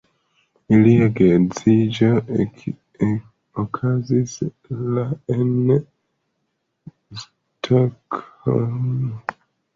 Ilia geedziĝo okazis la en Stokholmo.